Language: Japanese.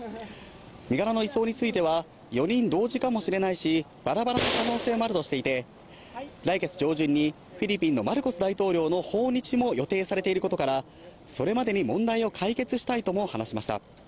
身柄の移送については、４人同時かもしれないし、ばらばらの可能性もあるとしていて、来月上旬にフィリピンのマルコス大統領の訪日も予定されていることから、それまでに問題を解決したいとも話しました。